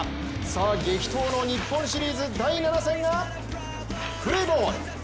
さあ激闘の日本シリーズ第７戦がプレーボール！